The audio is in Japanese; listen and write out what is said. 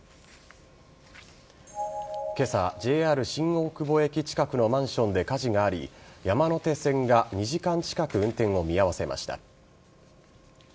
今朝ＪＲ新大久保駅近くのマンションで火事があり山手線が２時間近く運転を見合わせました。